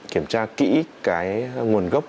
kiểm tra kỹ cái nguồn gốc